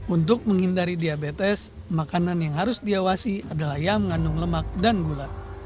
untuk menghindari diabetes makanan yang harus diawasi adalah yang mengandung lemak dan gula